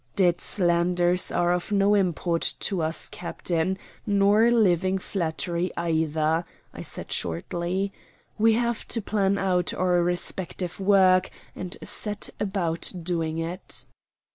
"Dead slanders are of no import to us, captain, nor living flattery either," I said shortly. "We have to plan out our respective work and to set about doing it."